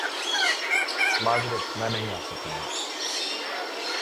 معذرت میں نہیں آسکوں گا